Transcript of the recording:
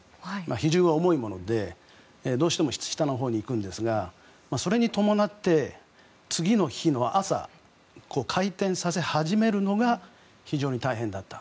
比重が重いもので、どうしても下のほうにいくんですがそれに伴って、次の日の朝回転させ始めるのが非常に大変だった。